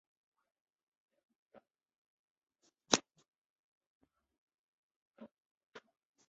主要经营钢铁产品。